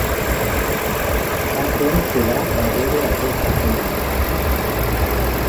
Fa temps que va darrere aquesta feina.